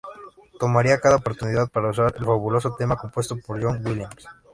Tomaría cada oportunidad para usar el fabuloso tema compuesto por John Williams.